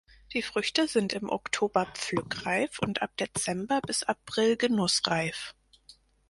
Die Früchte sind im Oktober pflückreif und ab Dezember bis April genussreif.